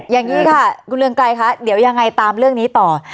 อย่างนี้ค่ะคุณเรืองไกรคะเดี๋ยวยังไงตามเรื่องนี้ต่อ